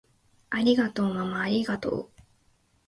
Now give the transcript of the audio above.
ありがとうままありがとう！